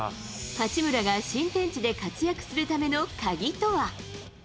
八村が新天地で活躍するための鍵とは。